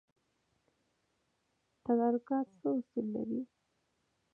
تدارکات څه اصول لري؟